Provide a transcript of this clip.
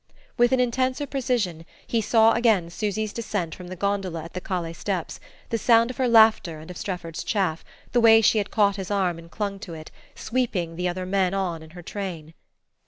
With an intenser precision he saw again Susy's descent from the gondola at the calle steps, the sound of her laughter and of Strefford's chaff, the way she had caught his arm and clung to it, sweeping the other men on in her train.